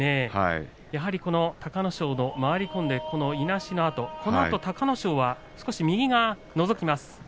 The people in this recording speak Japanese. やはり隆の勝回り込んでいなしたあとこのあと隆の勝は少し右がのぞきます。